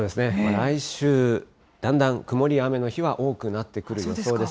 来週、だんだん曇りや雨の日は多くなってくる予想です。